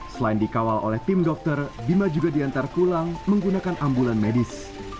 selain dikawal oleh tim dokter bima juga diantar pulang menggunakan ambulan medis